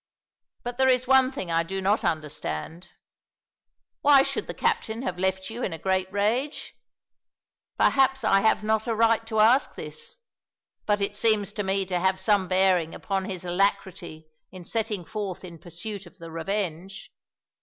But there is one thing I do not understand. Why should the captain have left you in a great rage? Perhaps I have not a right to ask this, but it seems to me to have some bearing upon his alacrity in setting forth in pursuit of the Revenge."